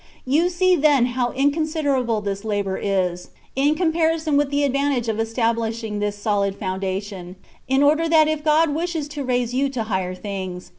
You see then how inconsiderable this labour is, in comparison with the advantage of establishing this «olid foundation, in order that if God wishes to raise you to higher things.